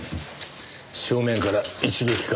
正面から一撃か。